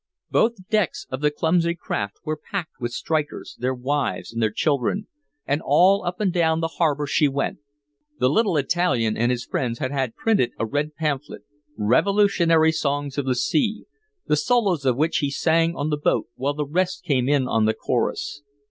Both decks of the clumsy craft were packed with strikers, their wives and their children, and all up and down the harbor she went. The little Italian and his friends had had printed a red pamphlet, "Revolutionary Songs of the Sea," the solos of which he sang on the boat while the rest came in on the chorus.